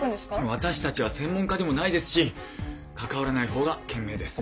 私たちは専門家でもないですし関わらない方が賢明です。